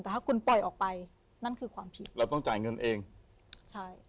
แต่ถ้าคุณปล่อยออกไปนั่นคือความผิดเราต้องจ่ายเงินเองใช่